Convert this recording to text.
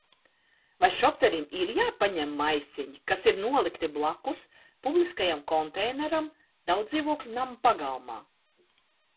Vai šoferim ir jāpaņem maisiņi, kas ir nolikti blakus publiskajam konteineram daudzdzīvokļu namu pagalmā?